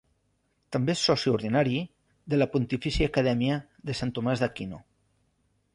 També és soci ordinari de la Pontifícia Acadèmia de Sant Tomàs d'Aquino.